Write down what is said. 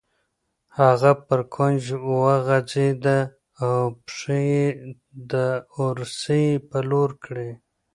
هغه پر کوچ وغځېده او پښې یې د اورسۍ په لور کړې.